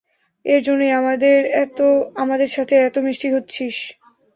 এর জন্যই আমাদের সাথে এতো মিষ্টি হচ্ছিস?